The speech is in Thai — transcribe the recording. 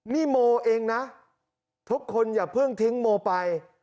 นี่โมเองนะทุกคนอย่าเพิ่งทิ้งโมไป